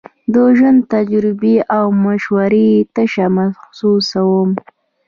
د ژوند تجربې او مشورې تشه محسوسوم.